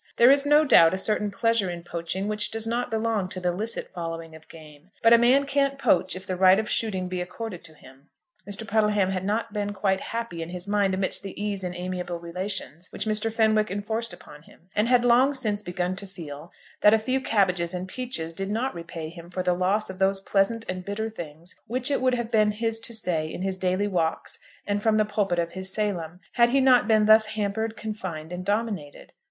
There is no doubt a certain pleasure in poaching which does not belong to the licit following of game; but a man can't poach if the right of shooting be accorded to him. Mr. Puddleham had not been quite happy in his mind amidst the ease and amiable relations which Mr. Fenwick enforced upon him, and had long since begun to feel that a few cabbages and peaches did not repay him for the loss of those pleasant and bitter things, which it would have been his to say in his daily walks and from the pulpit of his Salem, had he not been thus hampered, confined, and dominated.